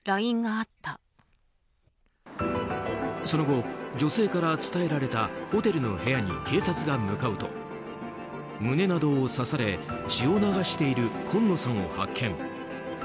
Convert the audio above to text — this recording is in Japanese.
その後、女性から伝えられたホテルの部屋に警察が向かうと胸などを刺され血を流している今野さんを発見。